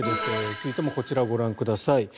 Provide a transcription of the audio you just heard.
続いてもこちらをご覧ください。